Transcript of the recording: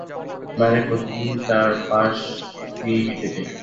মানে, প্রতিদিন তার পাশ দিয়েই হেঁটে যাই।